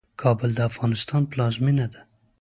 کابل د افغانستان پلازمينه ده.